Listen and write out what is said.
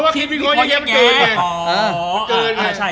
อ๋อคิดวิเคราะห์แยะแยะมันเกินไง